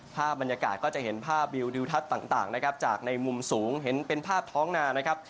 ภาพบรรยากาศก็จะเห็นภาพวิวดิวทัศน์ต่างนะครับจากในมุมสูงเห็นเป็นภาพท้องนานะครับ